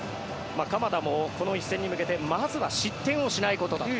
鎌田もこの一戦に向けてまずは失点しないことだと。